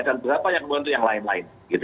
dan berapa yang digunakan untuk yang lain lain